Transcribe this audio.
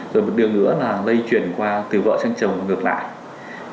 rồi một điều nữa là lây chuyển qua từ vợ sang chồng và ngược lại